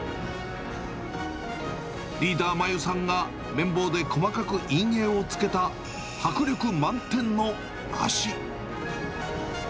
リーダー、真悠さんが綿棒で細かく陰影をつけた、迫力満点の足。